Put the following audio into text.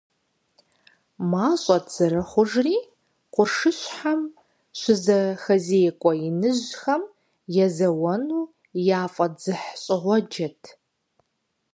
МащӀэт зэрыхъужри, къуршыщхьэм щызэхэзекӀуэ иныжьхэм езэуэну яфӀэдзыхьщӀыгъуэджэт.